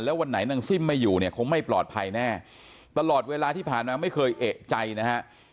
แล้ววันไหนนางซิ่มไม่อยู่เนี่ยคงไม่ปลอดภัยแน่ตลอดเวลาที่ผ่านมาไม่เคยเอกใจนะฮะ